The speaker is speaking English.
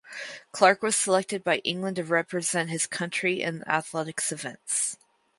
Clarke was selected by England to represent his country in Athletics events.